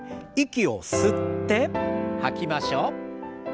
息を吸って吐きましょう。